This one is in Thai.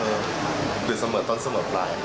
ก็คือเสมอต้นเสมอปลาย